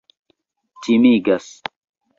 timigas